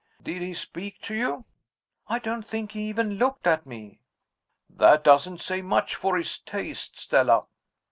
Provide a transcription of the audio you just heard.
"Did he speak to you?" "I don't think he even looked at me." "That doesn't say much for his taste, Stella."